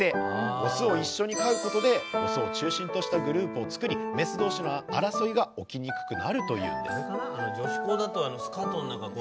オスを一緒に飼うことでオスを中心としたグループを作りメス同士の争いが起きにくくなるというんです。